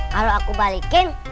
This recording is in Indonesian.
kalau aku balikin